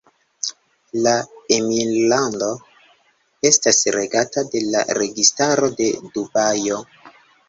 La emirlando estas regata de la Registaro de Dubajo.